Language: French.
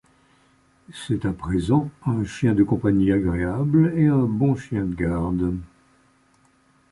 C'est à présent un chien de compagnie agréable et un bon chien de garde.